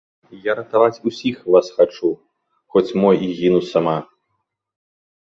Я ратаваць усіх вас хачу, хоць мо і гіну сама.